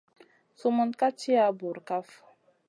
Sumun ka tiya bura kaf.